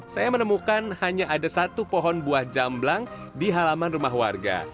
saya menemukan hanya ada satu pohon buah jamblang di halaman rumah warga